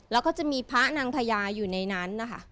แล้วก็จะมีพระนางพญาอยู่ในนั้นนะคะ